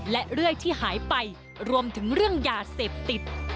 และเรื่อยที่หายไปรวมถึงเรื่องยาเสพติด